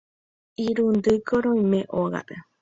Irundýko roime ógape.